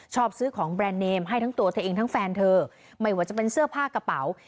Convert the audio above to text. ชอบซื้อของแบรนด์เนมให้ทั้งตัวเธอเองทั้งแฟนเธอไม่ว่าจะเป็นเสื้อผ้ากระเป๋า